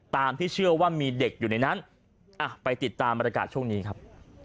ที่เชื่อว่ามีเด็กอยู่ในนั้นอ่ะไปติดตามบรรยากาศช่วงนี้ครับ